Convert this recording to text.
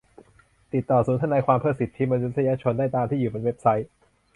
ติดต่อศูนย์ทนายความเพื่อสิทธิมนุษยชนได้ตามที่อยู่บนเว็บไซต์